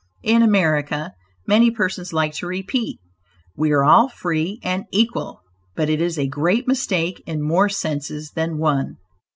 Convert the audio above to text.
In America many persons like to repeat "we are all free and equal," but it is a great mistake in more senses than one.